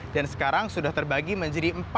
dan sekarang sudah terbagi menjadi empat